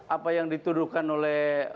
apa yang dituduhkan oleh